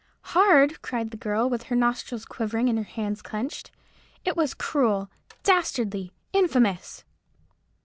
"Hard!" cried the girl, with her nostrils quivering and her hands clenched; "it was cruel, dastardly, infamous!"